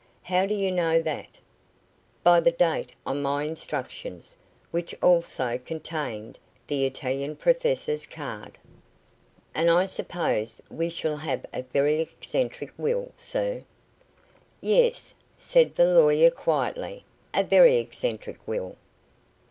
"How do you know that?" "By the date on my instructions, which also contained the Italian professor's card." "And I suppose we shall have a very eccentric will, sir." "Yes," said the lawyer quietly, "a very eccentric will."